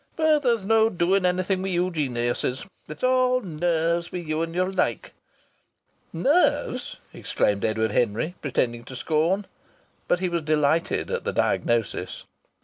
But there's no doing anything with you geniuses. It's all nerves with you and your like." "Nerves!" exclaimed Edward Henry, pretending to scorn. But he was delighted at the diagnosis.